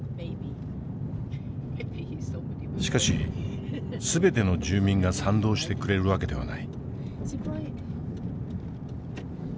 しかし全ての住民が賛同してくれる訳ではない。